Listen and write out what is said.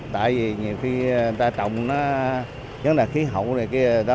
tại vì nhiều khi người ta trồng nó chẳng là khí hậu này kia đó